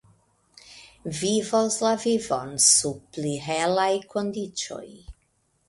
Vivos la vivon sub pli helaj kondiĉoj.